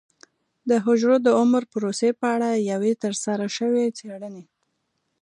د حجرو د عمر پروسې په اړه یوې ترسره شوې څېړنې